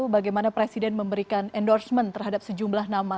bagaimana presiden memberikan endorsement terhadap sejumlah nama